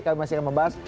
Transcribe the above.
kami masih akan membahas